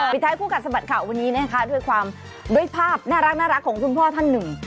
ปิดท้ายคู่กับสมัติข่าววันนี้นะคะด้วยภาพน่ารักของทุ่มพ่อท่านหนึ่ง